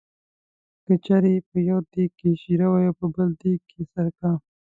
که چېرې په یو دېګ کې شېره وي او بل دېګ کې سرکه.